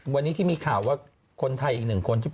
วันนี้ที่มีข่าวว่าคนไทยอีกหนึ่งคนที่